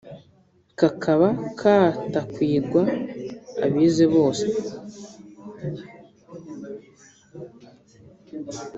kakaba katakwirwa abize bose